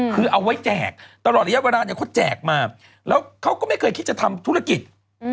คือเอาไว้แจกตลอดระยะเวลาเนี่ยเขาแจกมาแล้วเขาก็ไม่เคยคิดจะทำธุรกิจ